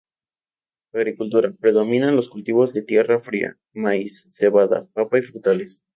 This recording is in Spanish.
Agricultura: predominan los cultivos de tierra fría: maíz, cebada, papa y frutales.